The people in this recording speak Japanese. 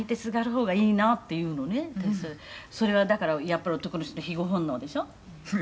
「それはだからやっぱり男の人の庇護本能でしょ？」